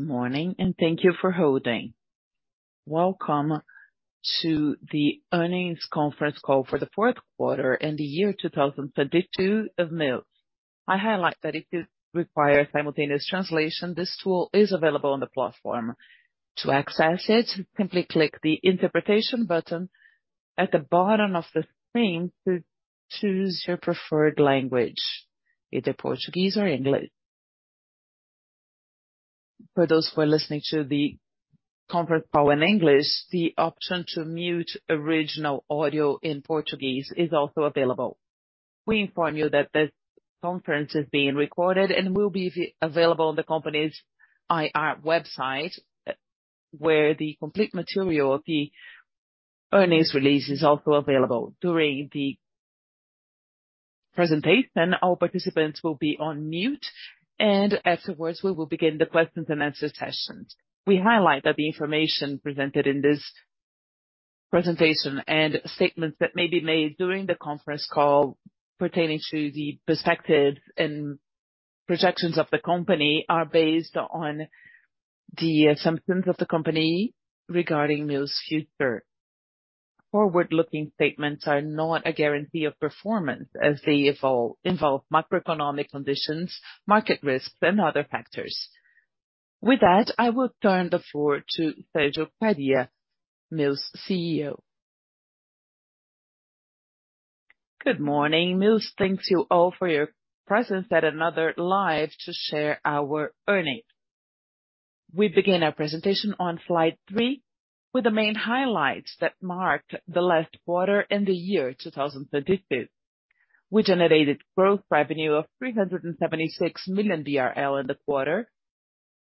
Good morning. Thank you for holding. Welcome to the earnings conference call for the fourth quarter and the year 2022 of Mills. I highlight that if you require simultaneous translation, this tool is available on the platform. To access it, simply click the interpretation button at the bottom of the screen to choose your preferred language, either Portuguese or English. For those who are listening to the conference call in English, the option to mute original audio in Portuguese is also available. We inform you that this conference is being recorded and will be available on the company's IR website, where the complete material of the earnings release is also available. During the presentation, all participants will be on mute, and afterwards, we will begin the questions and answer sessions. We highlight that the information presented in this presentation and statements that may be made during the conference call pertaining to the perspectives and projections of the company are based on the assumptions of the company regarding Mills' future. Forward-looking statements are not a guarantee of performance as they involve macroeconomic conditions, market risks, and other factors. I will turn the floor to Sérgio Kariya, Mills' CEO. Good morning. Mills thanks you all for your presence at another Live to share our earnings. We begin our presentation on slide three with the main highlights that marked the last quarter and the year 2022. We generated gross revenue of 376 million BRL in the quarter,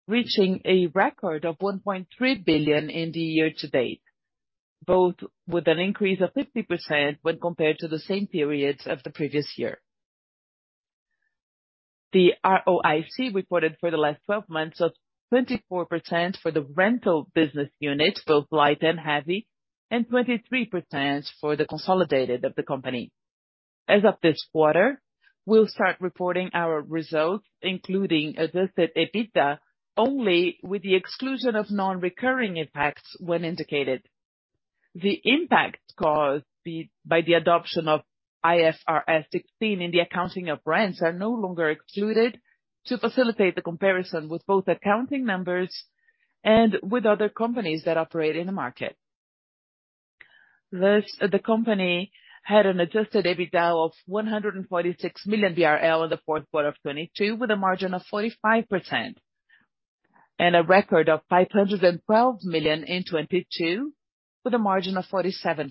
reaching a record of 1.3 billion in the year-to-date, both with an increase of 50% when compared to the same periods of the previous year. The ROIC reported for the last 12 months of 24% for the rental business unit, both light and heavy, and 23% for the consolidated of the company. As of this quarter, we'll start reporting our results, including adjusted EBITDA, only with the exclusion of non-recurring impacts when indicated. The impact caused by the adoption of IFRS 16 in the accounting of rents are no longer excluded to facilitate the comparison with both accounting numbers and with other companies that operate in the market. Thus, the company had an adjusted EBITDA of 146 million BRL in the fourth quarter of 2022, with a margin of 45%, and a record of 512 million in 2022, with a margin of 47%.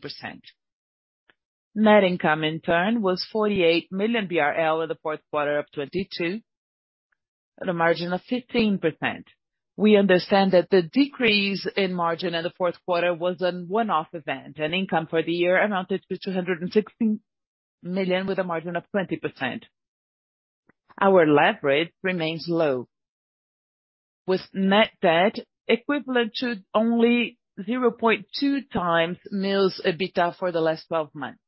Net income, in turn, was 48 million BRL in the fourth quarter of 2022, at a margin of 15%. We understand that the decrease in margin in the fourth quarter was an one-off event. Income for the year amounted to 216 million, with a margin of 20%. Our leverage remains low, with net debt equivalent to only 0.2 times Mills' EBITDA for the last 12 months.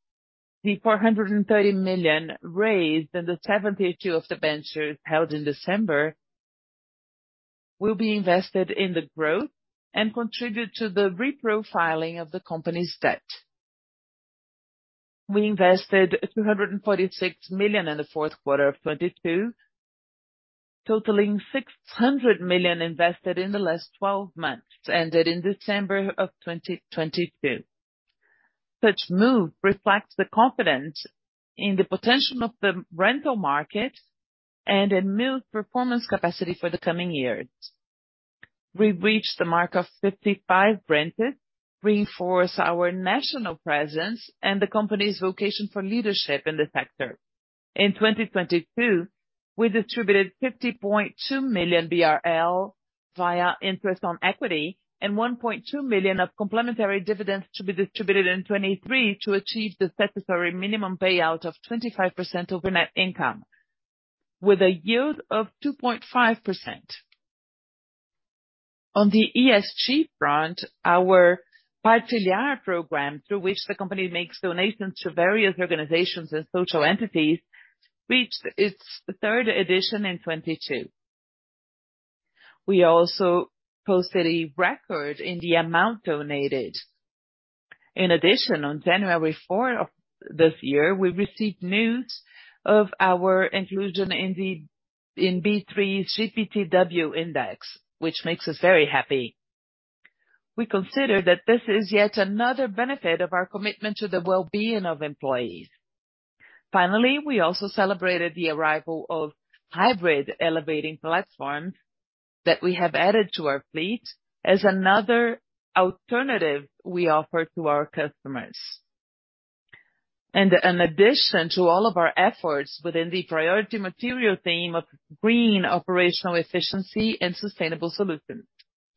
The 430 million raised and the 72 of debentures held in December will be invested in the growth and contribute to the reprofiling of the company's debt. We invested 246 million in Q4 2022, totaling 600 million invested in the last 12 months, ended in December 2022. Such move reflects the confidence in the potential of the rental market and in Mills' performance capacity for the coming years. We've reached the mark of 55 rented, reinforce our national presence, and the company's vocation for leadership in the sector. In 2022, we distributed 50.2 million BRL via interest on equity and 1.2 million of complementary dividends to be distributed in 2023 to achieve the statutory minimum payout of 25% over net income, with a yield of 2.5%. On the ESG front, our Programa Partilhar, through which the company makes donations to various organizations and social entities, reached its third edition in 2022. We also posted a record in the amount donated. In addition, on January fourth of this year, we received news of our inclusion in the B3 GPTW index, which makes us very happy. We consider that this is yet another benefit of our commitment to the well-being of employees. Finally, we also celebrated the arrival of hybrid elevating platforms that we have added to our fleet as another alternative we offer to our customers. In addition to all of our efforts within the priority material theme of green operational efficiency and sustainable solutions.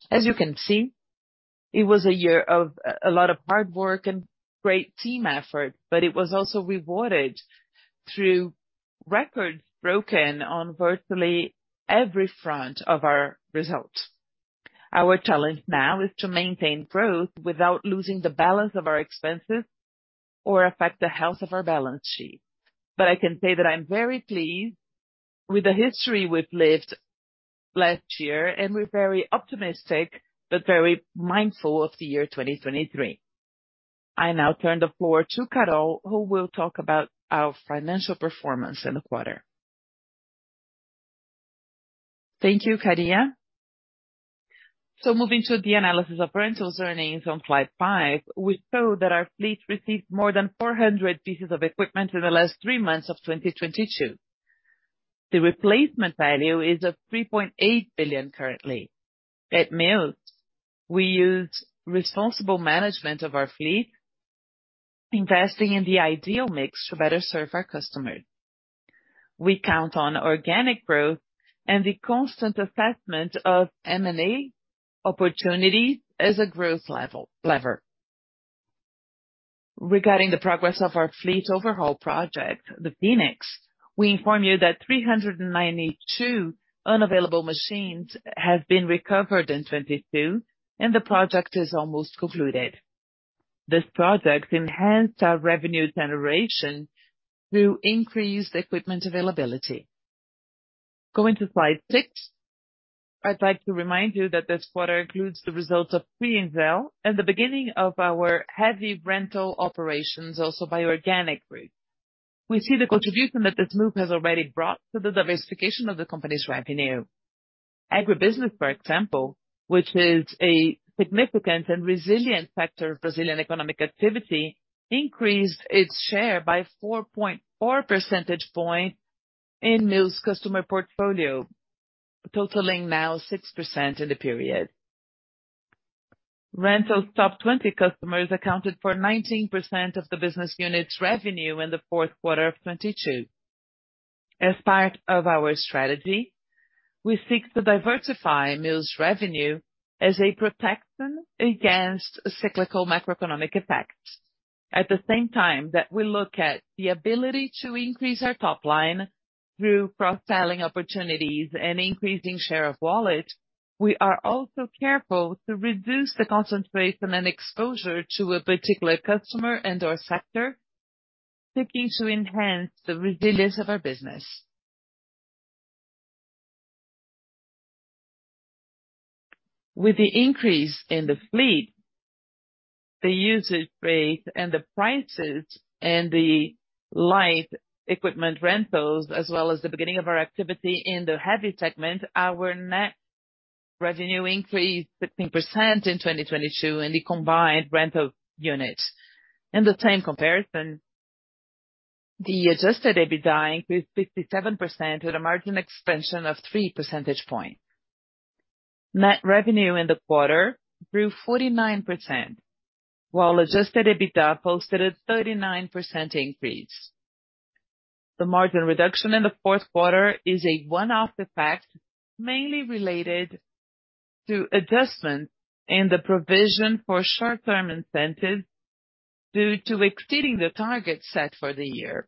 As you can see, it was a year of a lot of hard work and great team effort, but it was also rewarded through records broken on virtually every front of our results. Our challenge now is to maintain growth without losing the balance of our expenses or affect the health of our balance sheet. I can say that I'm very pleased with the history we've lived last year, and we're very optimistic but very mindful of the year 2023. I now turn the floor to Carol, who will talk about our financial performance in the quarter. Thank you, Kariya. Moving to the analysis of rentals earnings on slide five, we saw that our fleet received more than 400 pieces of equipment in the last three months of 2022. The replacement value is of 3.8 billion currently. At Mills, we used responsible management of our fleet, investing in the ideal mix to better serve our customers. We count on organic growth and the constant assessment of M&A opportunities as a growth lever. Regarding the progress of our fleet overhaul project, the Phoenix, we inform you that 392 unavailable machines have been recovered in 2022, and the project is almost concluded. This project enhanced our revenue generation through increased equipment availability. Going to slide six, I'd like to remind you that this quarter includes the results of Triengel and the beginning of our heavy rental operations also by organic growth. We see the contribution that this move has already brought to the diversification of the company's revenue. Agribusiness, for example, which is a significant and resilient factor of Brazilian economic activity, increased its share by 4.4 percentage point in Mills customer portfolio, totaling now 6% in the period. Rental top 20 customers accounted for 19% of the business unit's revenue in the fourth quarter of 2022. As part of our strategy, we seek to diversify Mills revenue as a protection against cyclical macroeconomic effects. At the same time that we look at the ability to increase our top line through cross-selling opportunities and increasing share of wallet, we are also careful to reduce the concentration and exposure to a particular customer and/or sector, seeking to enhance the resilience of our business. With the increase in the fleet, the usage rate and the prices and the light equipment rentals, as well as the beginning of our activity in the heavy segment, our net revenue increased 15% in 2022 in the combined rental units. In the same comparison, the adjusted EBITDA increased 57% with a margin expansion of 3 percentage points. Net revenue in the quarter grew 49%, while adjusted EBITDA posted a 39% increase. The margin reduction in the fourth quarter is a one-off effect, mainly related to adjustment in the provision for short-term incentive due to exceeding the target set for the year.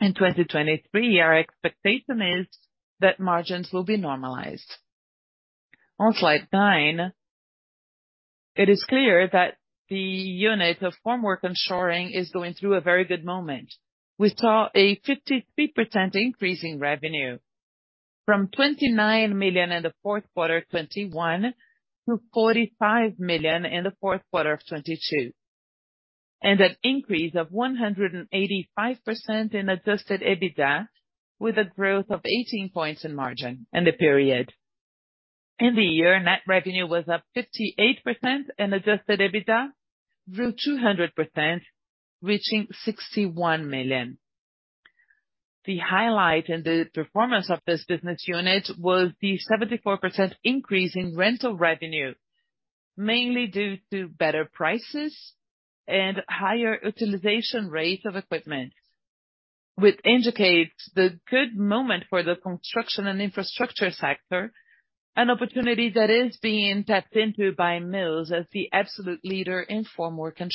In 2023, our expectation is that margins will be normalized. On slide 9, it is clear that the unit of formwork and shoring is going through a very good moment. We saw a 53% increase in revenue from 29 million in the fourth quarter of 2021 to 45 million in the fourth quarter of 2022, and an increase of 185% in adjusted EBITDA, with a growth of 18 points in margin in the period. In the year, net revenue was up 58% and adjusted EBITDA grew 200%, reaching 61 million. The highlight in the performance of this business unit was the 74% increase in rental revenue, mainly due to better prices and higher utilization rate of equipment, which indicates the good moment for the construction and infrastructure sector, an opportunity that is being tapped into by Mills as the absolute leader in formwork and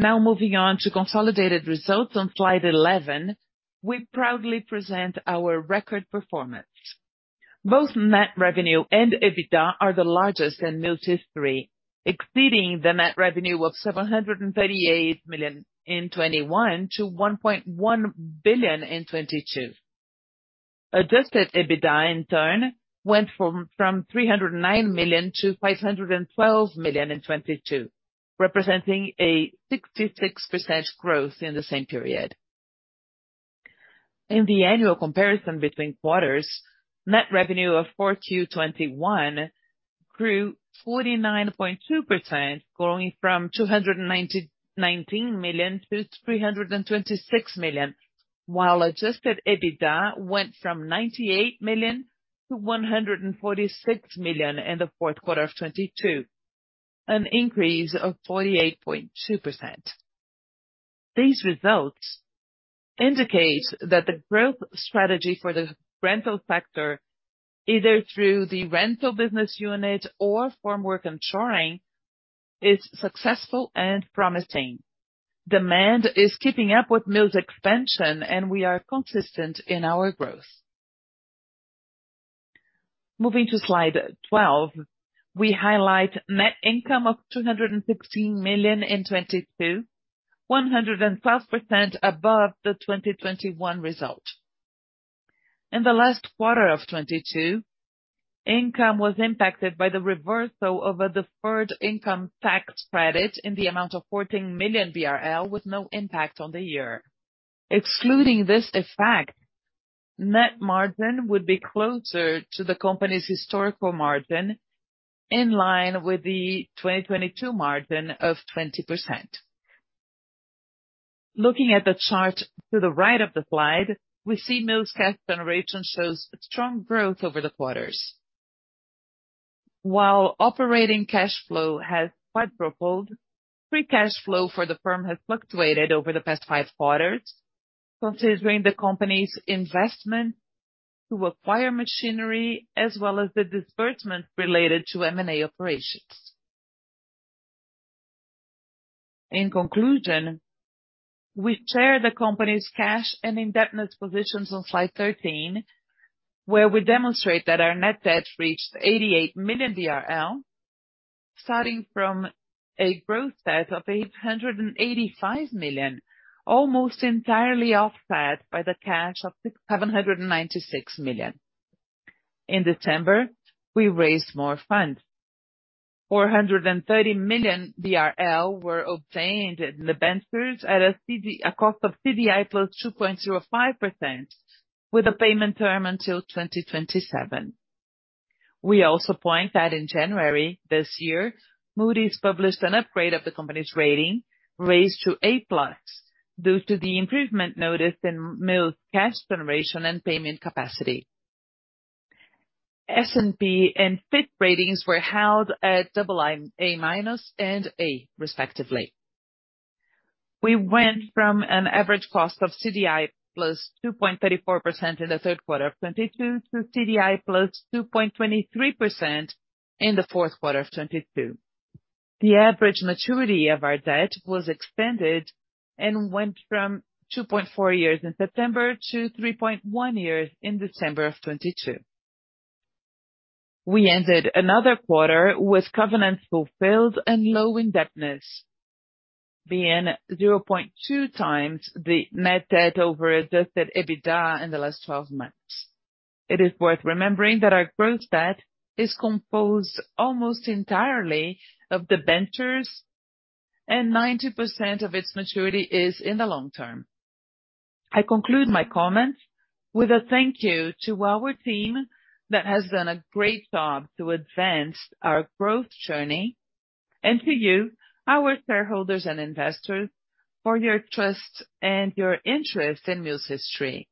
shoring. Moving on to consolidated results on slide 11, we proudly present our record performance. Both net revenue and EBITDA are the largest in Mills history, exceeding the net revenue of 738 million in 2021 to 1.1 billion in 2022. Adjusted EBITDA, in turn, went from 309 million to 512 million in 2022, representing a 66% growth in the same period. In the annual comparison between quarters, net revenue of Q4 2021 grew 49.2%, growing from 219, 19 million to 326 million, while adjusted EBITDA went from 98 million to 146 million in Q4 2022, an increase of 48.2%. These results indicate that the growth strategy for the rental sector, either through the rental business unit or formwork and shoring, is successful and promising. Demand is keeping up with Mills expansion. We are consistent in our growth. Moving to slide 12, we highlight net income of 216 million in 2022, 105% above the 2021 result. In the last quarter of 2022, income was impacted by the reversal of a deferred income tax credit in the amount of 14 million BRL, with no impact on the year. Excluding this effect, net margin would be closer to the company's historical margin, in line with the 2022 margin of 20%. Looking at the chart to the right of the slide, we see Mills' cash generation shows strong growth over the quarters. While operating cash flow has quadrupled, free cash flow for the firm has fluctuated over the past five quarters, considering the company's investment to acquire machinery as well as the disbursement related to M&A operations. We share the company's cash and indebtedness positions on slide 13, where we demonstrate that our net debt reached 88 million, starting from a gross debt of 885 million, almost entirely offset by the cash of 796 million. In December, we raised more funds. 430 million were obtained in debentures at a cost of CDI plus 2.05% with a payment term until 2027. We also point that in January this year, Moody's published an upgrade of the company's rating, raised to A+ due to the improvement noticed in Mills' cash generation and payment capacity. S&P and Fitch ratings were held at A- and A, respectively. We went from an average cost of CDI plus 2.34% in the 3rd quarter of 2022 to CDI plus 2.23% in the 4th quarter of 2022. The average maturity of our debt was extended and went from 2.4 years in September to 3.1 years in December of 2022. We ended another quarter with covenants fulfilled and low indebtedness, being 0.2 times the net debt over adjusted EBITDA in the last 12 months. It is worth remembering that our growth debt is composed almost entirely of debentures, and 90% of its maturity is in the long term. I conclude my comments with a thank you to our team that has done a great job to advance our growth journey. To you, our shareholders and investors, for your trust and your interest in Mills' history.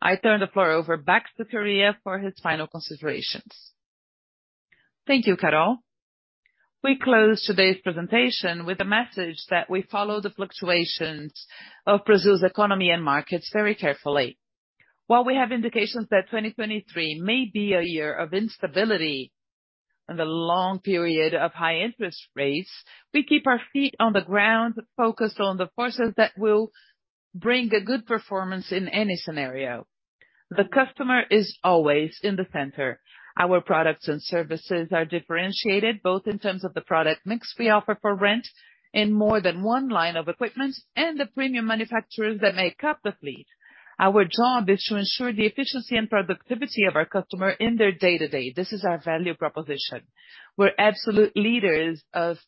I turn the floor over back to Sérgio for his final considerations. Thank you, Carol. We close today's presentation with a message that we follow the fluctuations of Brazil's economy and markets very carefully. We have indications that 2023 may be a year of instability and a long period of high interest rates, we keep our feet on the ground, focused on the forces that will bring a good performance in any scenario. The customer is always in the center. Our products and services are differentiated, both in terms of the product mix we offer for rent in more than one line of equipment and the premium manufacturers that make up the fleet. Our job is to ensure the efficiency and productivity of our customer in their day-to-day. This is our value proposition. We're absolute leaders of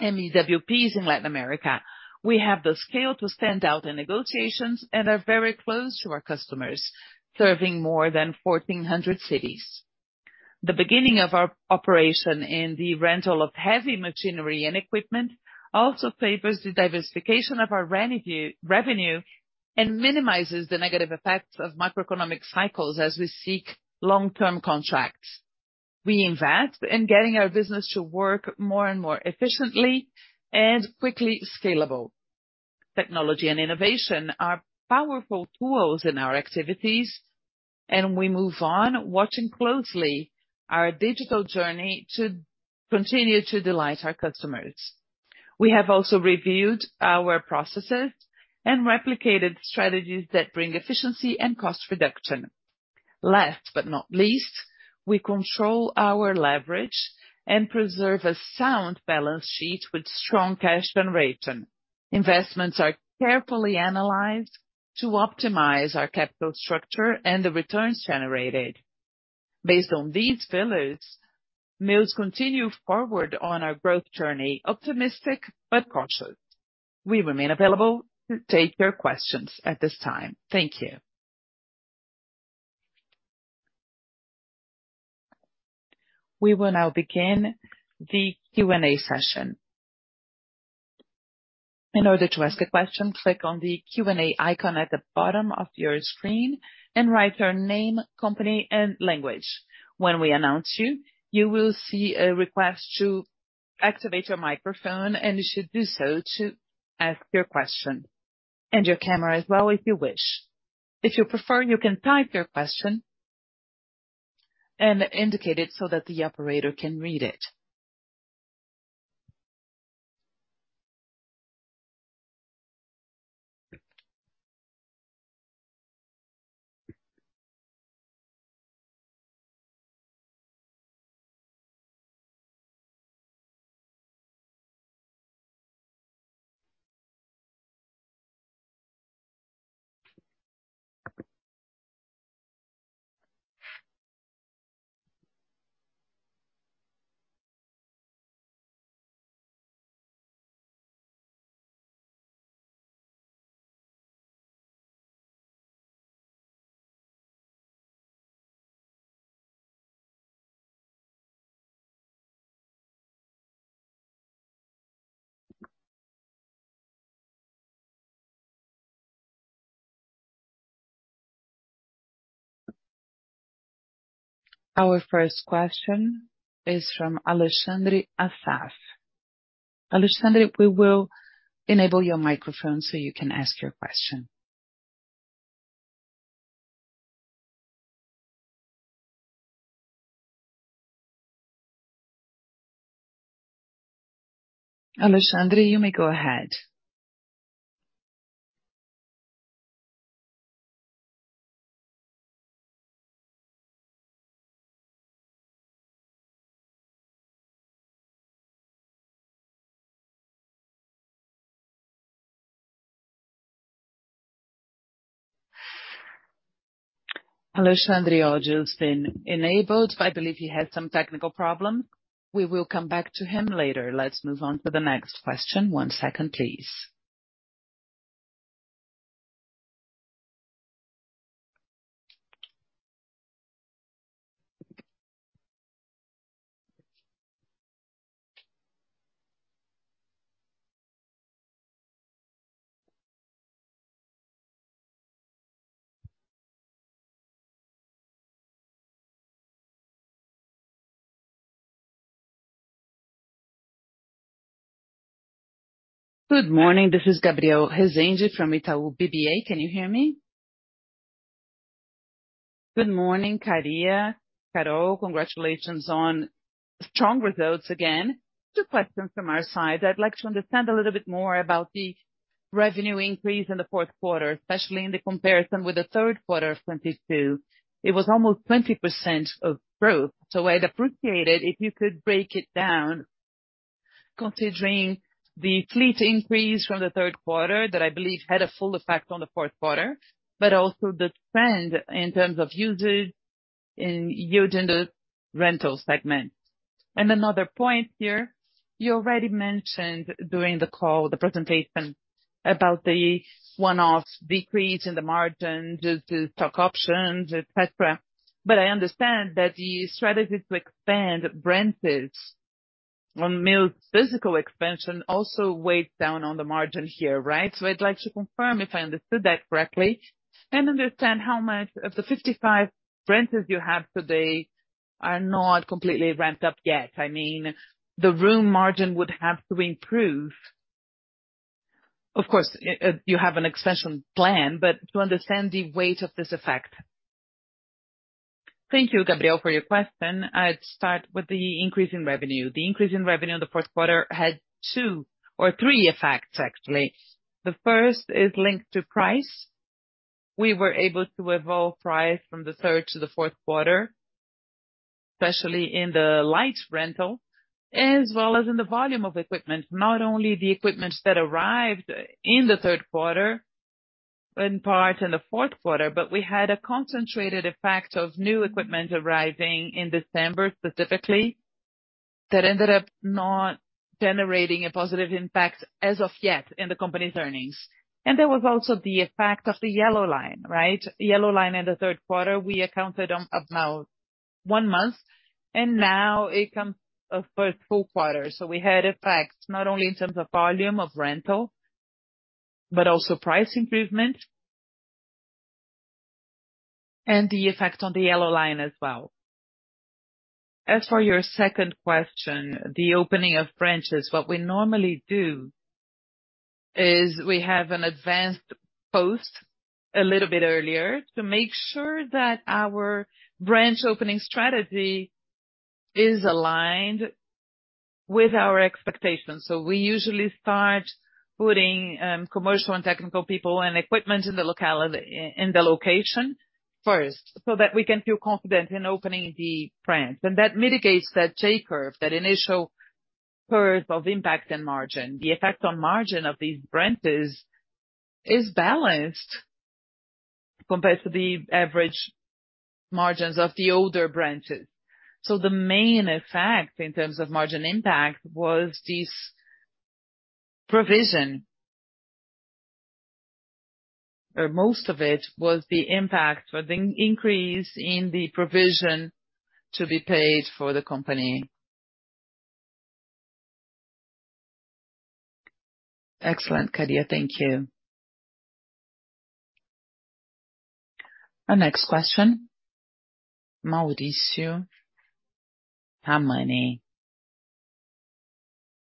MEWPs in Latin America. We have the scale to stand out in negotiations and are very close to our customers, serving more than 1,400 cities. The beginning of our operation in the rental of heavy machinery and equipment also favors the diversification of our revenue and minimizes the negative effects of macroeconomic cycles as we seek long-term contracts. We invest in getting our business to work more and more efficiently and quickly scalable. Technology and innovation are powerful tools in our activities, and we move on watching closely our digital journey to continue to delight our customers. We have also reviewed our processes and replicated strategies that bring efficiency and cost reduction. Last but not least, we control our leverage and preserve a sound balance sheet with strong cash generation. Investments are carefully analyzed to optimize our capital structure and the returns generated. Based on these pillars, Mills continue forward on our growth journey, optimistic but cautious. We remain available to take your questions at this time. Thank you. We will now begin the Q&A session. In order to ask a question, click on the Q&A icon at the bottom of your screen and write your name, company, and language. When we announce you will see a request to activate your microphone, and you should do so to ask your question, and your camera as well if you wish. If you prefer, you can type your question and indicate it so that the operator can read it. Our first question is from Alexandre Assaf. Alexandre, we will enable your microphone so you can ask your question. Alexandre, you may go ahead. Alexandre audio has been enabled. I believe he had some technical problem. We will come back to him later. Let's move on to the next question. One second, please. Good morning. This is Gabriel Rezende from Itaú BBA. Can you hear me? Good morning, Maria, Carol. Congratulations on strong results again. Two questions from our side. I'd like to understand a little bit more about the revenue increase in the fourth quarter, especially in the comparison with the third quarter of 2022. It was almost 20% of growth. I'd appreciate it if you could break it down, considering the fleet increase from the third quarter, that I believe had a full effect on the fourth quarter, but also the trend in terms of usage in yield in the rental segment. Another point here, you already mentioned during the call, the presentation about the one-off decrease in the margin due to stock options, et cetera. I understand that the strategy to expand branches on Mills' physical expansion also weighs down on the margin here, right? I'd like to confirm if I understood that correctly and understand how much of the 55 branches you have today are not completely ramped up yet. I mean, the room margin would have to improve. Of course, you have an expansion plan, but to understand the weight of this effect. Thank you, Gabriel, for your question. I'd start with the increase in revenue. The increase in revenue in the fourth quarter had two or three effects, actually. The first is linked to price. We were able to evolve price from the 3rd to the 4th quarter, especially in the light rental, as well as in the volume of equipment, not only the equipment that arrived in the 3rd quarter, in part in the 4th quarter, but we had a concentrated effect of new equipment arriving in December specifically, that ended up not generating a positive impact as of yet in the company's earnings. There was also the effect of the Yellow Line, right? Yellow Line in the 3rd quarter, we accounted on about 1 month, and now it comes for a full quarter. We had effects not only in terms of volume of rental, but also price improvement and the effect on the Yellow Line as well. As for your second question, the opening of branches. What we normally do is we have an advanced post a little bit earlier to make sure that our branch opening strategy is aligned with our expectations. We usually start putting, commercial and technical people and equipment in the location first so that we can feel confident in opening the branch. That mitigates that J-curve, that initial curve of impact and margin. The effect on margin of these branches is balanced compared to the average margins of the older branches. The main effect in terms of margin impact was this provision. Most of it was the impact or the increase in the provision to be paid for the company. Excellent, Padilla. Thank you. Our next question, Mauricio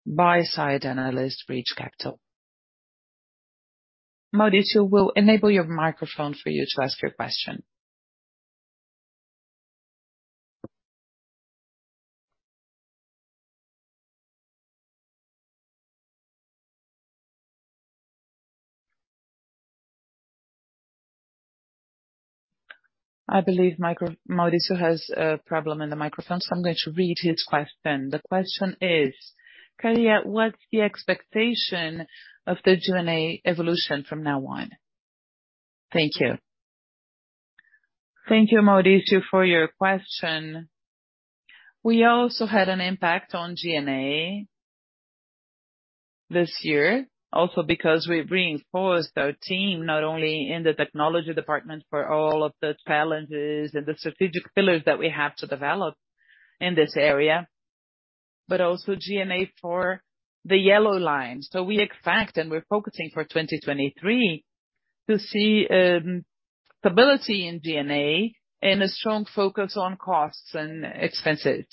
Ramoni, buy-side analyst, Reach Capital. Mauricio, we'll enable your microphone for you to ask your question. I believe Mauricio has a problem in the microphone. I'm going to read his question. The question is: Sérgio Kariya, what's the expectation of the G&A evolution from now on? Thank you. Thank you, Mauricio, for your question. We also had an impact on G&A this year also because we reinforced our team, not only in the technology department for all of the challenges and the strategic pillars that we have to develop in this area, but also G&A for the Yellow Line. We expect, and we're focusing for 2023 to see stability in G&A and a strong focus on costs and expenses.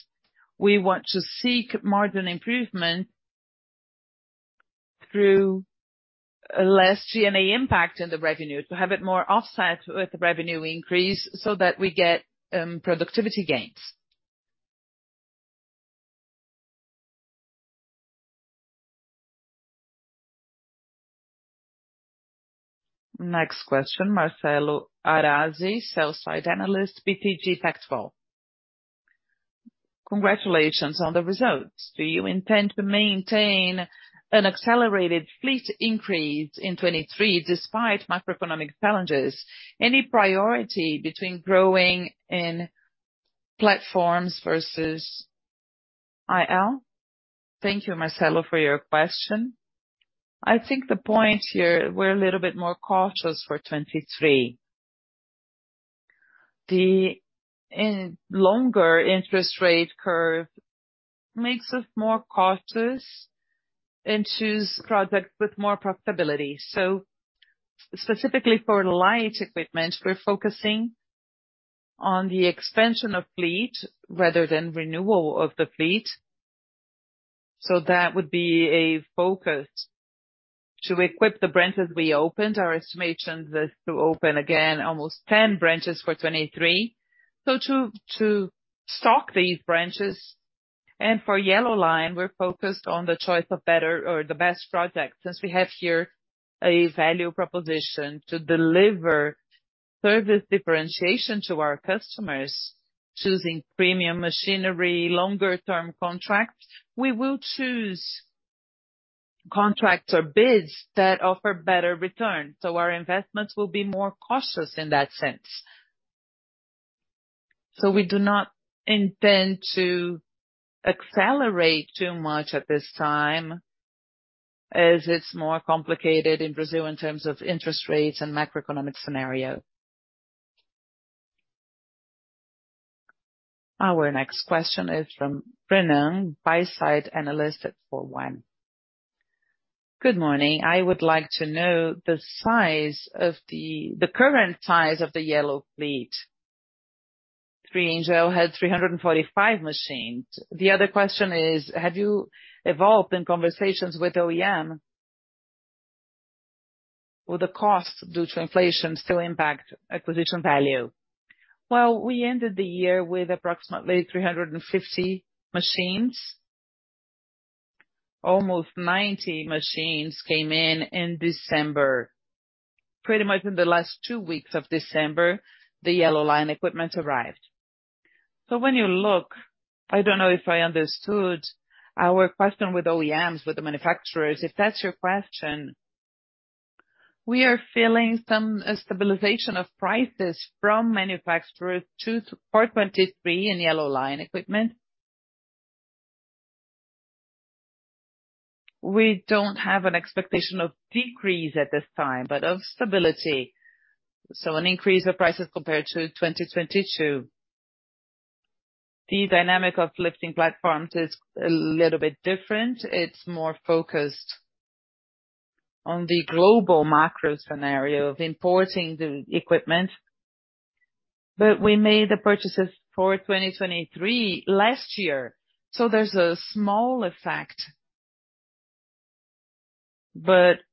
We want to seek margin improvement through less G&A impact in the revenue, to have it more offset with the revenue increase so that we get productivity gains. Next question, Marcelo Arazi, sell-side analyst, BTG Pactual. Congratulations on the results. Do you intend to maintain an accelerated fleet increase in 2023 despite macroeconomic challenges? Any priority between growing in platforms versus IL? Thank you, Marcelo, for your question. I think the point here, we're a little bit more cautious for 2023. The longer interest rate curve makes us more cautious and choose projects with more profitability. Specifically for light equipment, we're focusing on the expansion of fleet rather than renewal of the fleet. That would be a focus. To equip the branches we opened, our estimation is to open again almost 10 branches for 2023. To stock these branches. For Yellow Line, we're focused on the choice of better or the best project. We have here a value proposition to deliver service differentiation to our customers, choosing premium machinery, longer term contracts, we will choose contracts or bids that offer better return. Our investments will be more cautious in that sense. We do not intend to accelerate too much at this time, as it's more complicated in Brazil in terms of interest rates and macroeconomic scenario. Our next question is from Breno Pires, buy-side analyst at four one. Good morning. I would like to know the current size of the Yellow fleet. Triengel had 345 machines. The other question is, have you evolved in conversations with OEM? Will the cost due to inflation still impact acquisition value? Well, we ended the year with approximately 350 machines. Almost 90 machines came in in December. Pretty much in the last two weeks of December, the Yellow Line equipment arrived. When you look... I don't know if I understood our question with OEMs, with the manufacturers, if that's your question. We are feeling some stabilization of prices from manufacturers for 2023 in Yellow Line equipment. We don't have an expectation of decrease at this time, but of stability. An increase of prices compared to 2022. The dynamic of lifting platforms is a little bit different. It's more focused on the global macro scenario of importing the equipment. We made the purchases for 2023 last year. There's a small effect.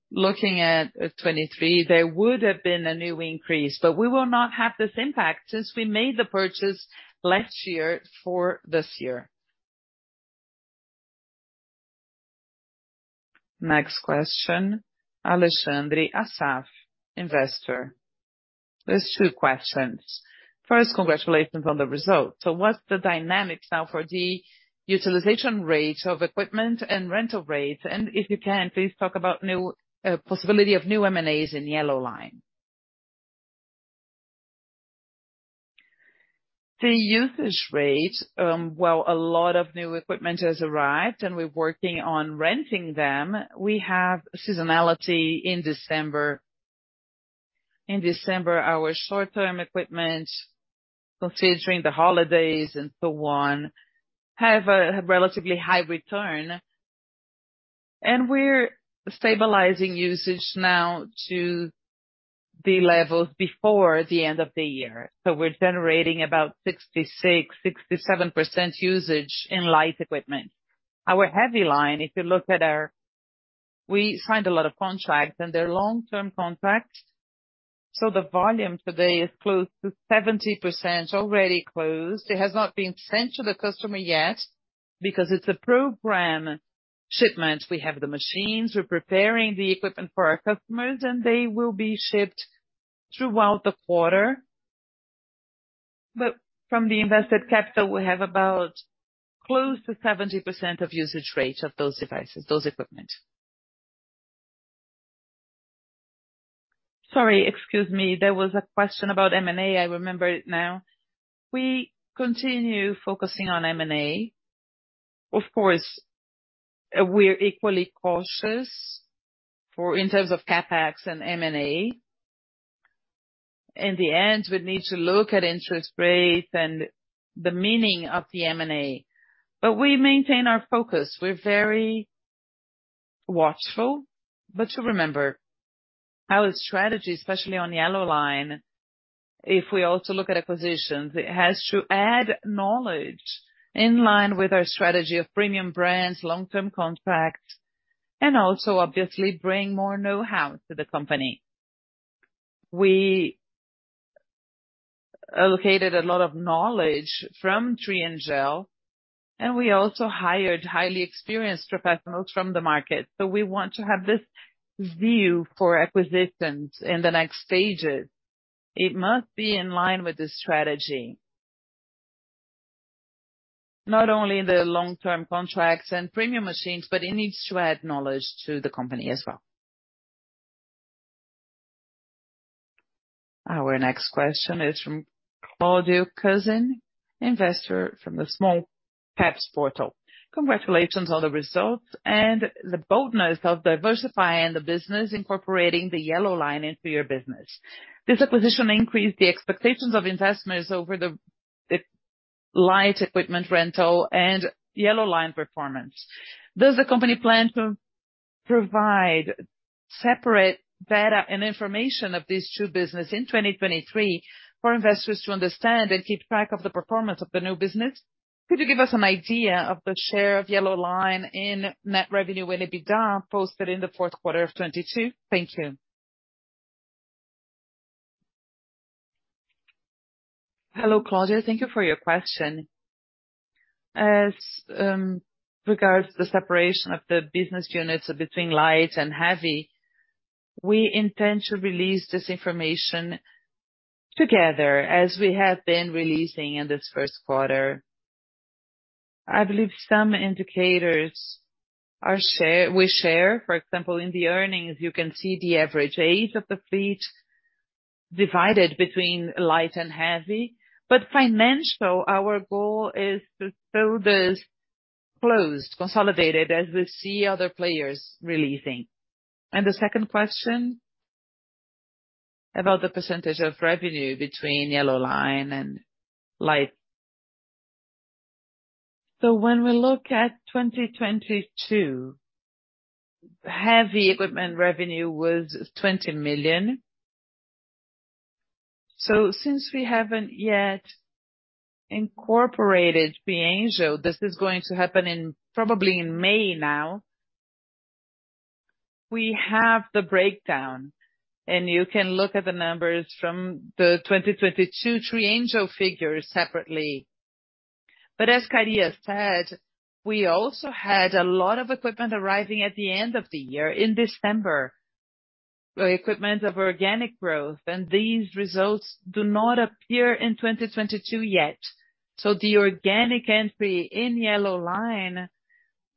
Looking at 2023, there would have been a new increase. We will not have this impact since we made the purchase last year for this year. Next question, Alexandre Assaf, investor. There's two questions. First, congratulations on the results. What's the dynamics now for the utilization rates of equipment and rental rates? If you can, please talk about new possibility of new M&As in Yellow Line. The usage rate, well, a lot of new equipment has arrived, and we're working on renting them. We have seasonality in December. In December, our short-term equipment, considering the holidays and so on, have a relatively high return. We're stabilizing usage now to the levels before the end of the year. We're generating about 66%-67% usage in light equipment. Our heavy line, if you look at, We signed a lot of contracts, and they're long-term contracts, so the volume today is close to 70% already closed. It has not been sent to the customer yet because it's a program shipment. We have the machines, we're preparing the equipment for our customers. They will be shipped throughout the quarter. From the invested capital, we have about close to 70% of usage rate of those equipment. Sorry, excuse me. There was a question about M&A. I remember it now. We continue focusing on M&A. Of course, we're equally cautious in terms of CapEx and M&A. In the end, we need to look at interest rates and the meaning of the M&A. We maintain our focus. We're very watchful. To remember our strategy, especially on Yellow Line, if we also look at acquisitions, it has to add knowledge in line with our strategy of premium brands, long-term contracts, and also obviously bring more know-how to the company. We allocated a lot of knowledge from Triengel, and we also hired highly experienced professionals from the market. We want to have this view for acquisitions in the next stages. It must be in line with the strategy. Not only in the long-term contracts and premium machines, but it needs to add knowledge to the company as well. Our next question is from Claudio Casoni, investor from the Portal Small Caps. Congratulations on the results and the boldness of diversifying the business, incorporating the Yellow Line into your business. This acquisition increased the expectations of investors over the light equipment rental and Yellow Line performance. Does the company plan to provide separate data and information of these two business in 2023 for investors to understand and keep track of the performance of the new business? Could you give us an idea of the share of Yellow Line in net revenue and EBITDA posted in the fourth quarter of 2022? Thank you. Hello, Claudio. Thank you for your question. As regards the separation of the business units between light and heavy, we intend to release this information together as we have been releasing in this first quarter. I believe some indicators are we share, for example, in the earnings, you can see the average age of the fleet divided between light and heavy. Financial, our goal is to show this closed, consolidated as we see other players releasing. The second question about the percentage of revenue between Yellow Line and light. When we look at 2022, heavy equipment revenue was 20 million. Since we haven't yet incorporated Triengel, this is going to happen probably in May now, we have the breakdown, and you can look at the numbers from the 2022 Triengel figures separately. As Caria said, we also had a lot of equipment arriving at the end of the year in December. The equipment of organic growth and these results do not appear in 2022 yet. The organic entry in Yellow Line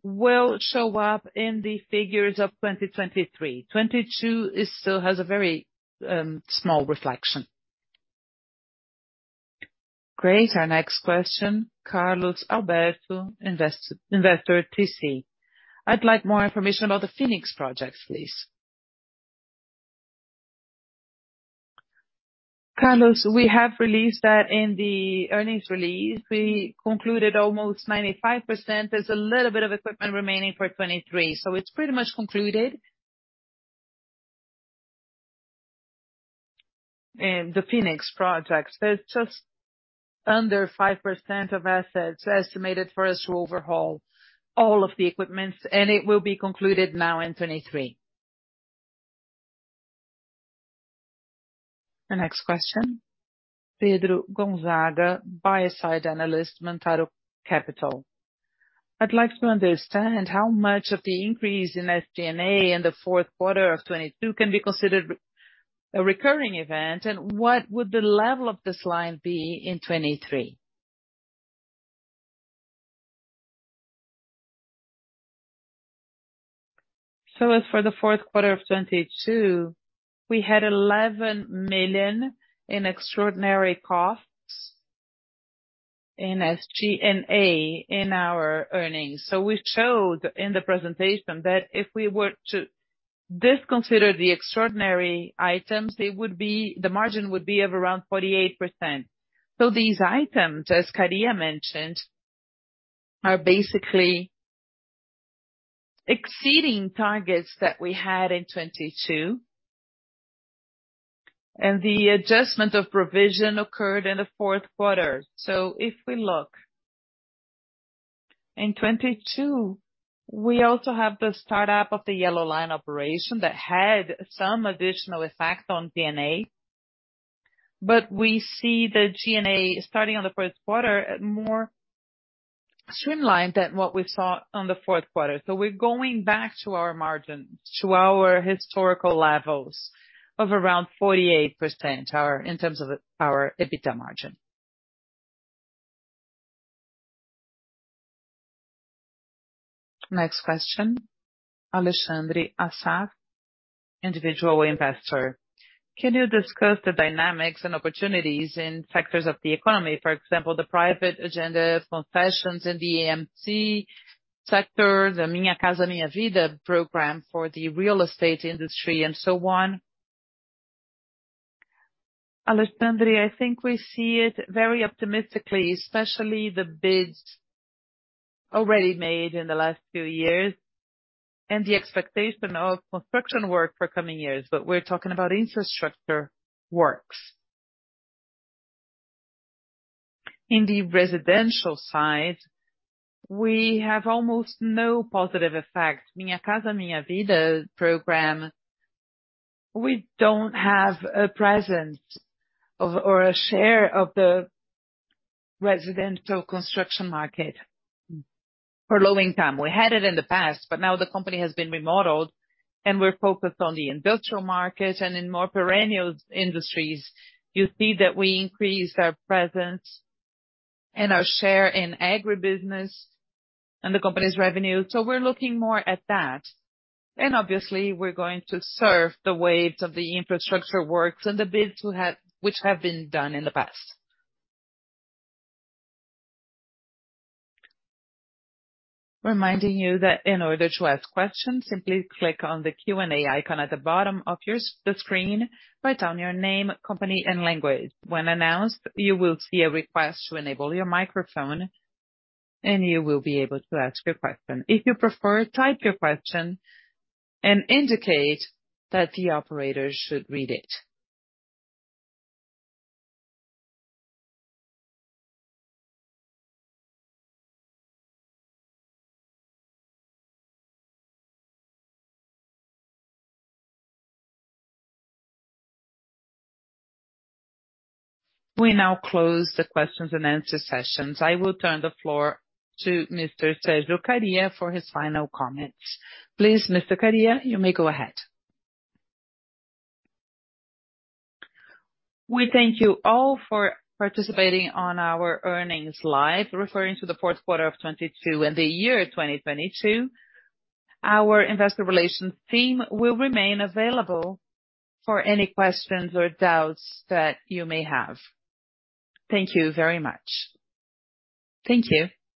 will show up in the figures of 2023. 22 is still has a very small reflection. Great. Our next question, Carlos Alberto, investor at TC. I'd like more information about the Phoenix projects, please. Carlos, we have released that in the earnings release. We concluded almost 95%. There's a little bit of equipment remaining for 23. It's pretty much concluded. In the Phoenix projects, there's just under 5% of assets estimated for us to overhaul all of the equipments. It will be concluded now in 23. The next question, Pedro Gonzaga, Buy-side Analyst, Mantaro Capital. I'd like to understand how much of the increase in SG&A in the fourth quarter of 2022 can be considered a recurring event, and what would the level of this line be in 2023? As for the fourth quarter of 2022, we had 11 million in extraordinary costs in SG&A in our earnings. We showed in the presentation that if we were to disconsider the extraordinary items, the margin would be of around 48%. These items, as Caria mentioned, are basically exceeding targets that we had in 2022. The adjustment of provision occurred in the fourth quarter. If we look in 2022, we also have the startup of the Yellow Line operation that had some additional effect on G&A. We see the G&A starting on the first quarter at more streamlined than what we saw on the fourth quarter. We're going back to our margin, to our historical levels of around 48% in terms of our EBITDA margin. Next question, Alexandre Assaf, individual investor. Can you discuss the dynamics and opportunities in sectors of the economy, for example, the private agenda, concessions in the EMC sector, the Minha Casa, Minha Vida program for the real estate industry and so on? Alexandre, I think we see it very optimistically, especially the bids already made in the last few years and the expectation of construction work for coming years. We're talking about infrastructure works. In the residential side, we have almost no positive effect. Minha Casa, Minha Vida program, we don't have a presence of or a share of the residential construction market for loading time. We had it in the past, but now the company has been remodeled and we're focused on the industrial market and in more perennial industries. You see that we increased our presence and our share in agribusiness and the company's revenue. We're looking more at that. Obviously, we're going to surf the waves of the infrastructure works and the bids which have been done in the past. Reminding you that in order to ask questions, simply click on the Q&A icon at the bottom of your the screen. Write down your name, company, and language. When announced, you will see a request to enable your microphone, and you will be able to ask your question. If you prefer, type your question and indicate that the operator should read it. We now close the questions and answer sessions. I will turn the floor to Mr. Sérgio Kariya for his final comments. Please, Mr. Kariya, you may go ahead. We thank you all for participating on our earnings live, referring to the fourth quarter of 2022 and the year 2022. Our investor relations team will remain available for any questions or doubts that you may have. Thank you very much. Thank you.